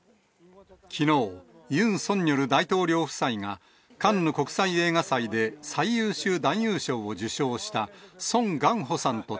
きのう、ユン・ソンニョル大統領夫妻が、カンヌ国際映画祭で最優秀男優賞を受賞した、ソン・ガンホさんと